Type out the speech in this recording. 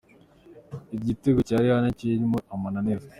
Itegeko rihana iki cyaha ririmo amananiza .